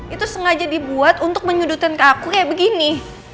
itu sengaja dibuat untuk menyudutkan ke aku kayak begini